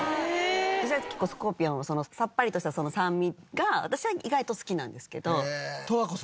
私は結構スコーピオンのさっぱりとした酸味が私は意外と好きなんですけど。